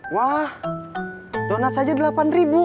wah donat saja rp delapan